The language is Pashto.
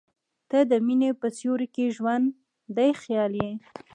• ته د مینې په سیوري کې ژوندی خیال یې.